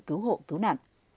cứu hộ cứu nạn